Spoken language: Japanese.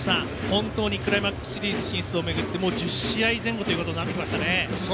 本当にクライマックスシリーズ進出を巡って１０試合前後になりましたね。